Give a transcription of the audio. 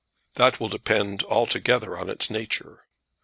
"That will depend altogether on its nature."